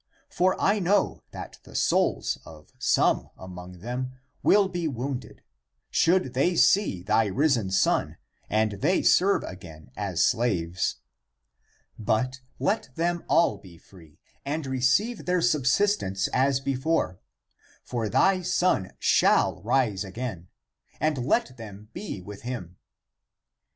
For I know that the souls of some (among them) will be wounded, should they see thy risen son and they serve again (as slaves). But let them all be free and receive their subsistence as before — for thy son shall rise again — and let them be with him."